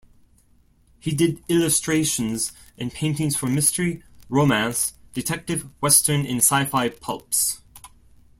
He did illustrations and paintings for mystery, romance, detective, western, and sci-fi pulps.